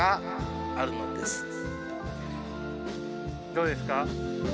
どうですか？